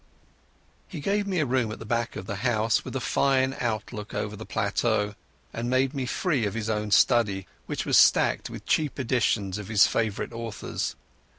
He gave me a room at the back of the house, with a fine outlook over the plateau, and he made me free of his own study, which was stacked with cheap editions of his favourite authors.